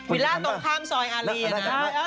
วิลล่าตรงข้ามซอยอารีนะ